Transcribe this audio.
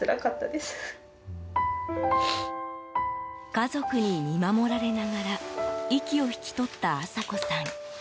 家族に見守られながら息を引き取ったアサ子さん。